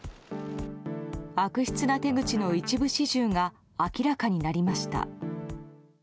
悪質な手口の一部始終が明らかになりました。